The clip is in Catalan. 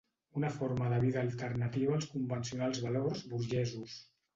Una forma de vida alternativa als convencionals valors burgesos.